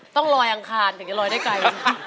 ต้องลอยอังคารถึงจะลอยได้ไกล